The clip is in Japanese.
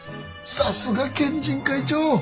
さすが県人会長。